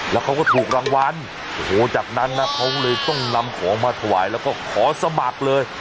แล้วเขาก็ถูกรางวัลโอ้โหจากนั้นนะเขาเลยต้องนำของมาถวายแล้วก็ขอสมัครเลย